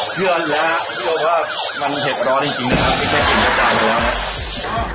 เชื่อแล้วเรียกว่ามันเผ็ดร้อนจริงจริงนะครับไม่แค่กินกับจานแล้ว